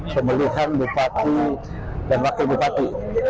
pemilihan bupati dan wakil bupati